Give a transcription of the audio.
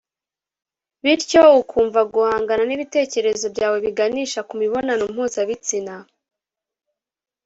bityo ukumva guhangana n’ ibitekerezo byawe biganisha ku mibonano mpuzabitsina